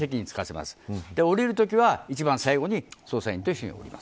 降りるときは一番最後に捜査員と一緒に降ります。